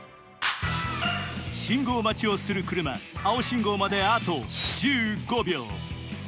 信号待ちをする車、青信号まであと１５秒。